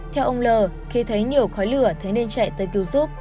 theo ông l khi thấy nhiều khói lửa thế nên chạy tới cứu giúp